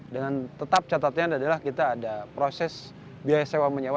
dengan tetap catatnya adalah kita ada proses biaya sewa menyewa